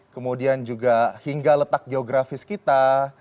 kemudian juga hingga letak geografis kita